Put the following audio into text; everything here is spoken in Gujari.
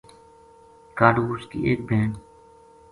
کاہڈو اس کی ایک بہن